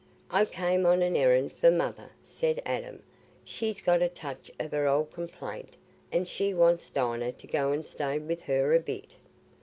"I came on an errand for Mother," said Adam. "She's got a touch of her old complaint, and she wants Dinah to go and stay with her a bit."